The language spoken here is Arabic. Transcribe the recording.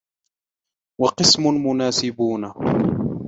وَقِسْمٌ مُنَاسِبُونَ